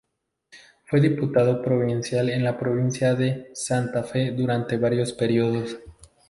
Fue diputado provincial en la provincia de Santa Fe durante varios períodos.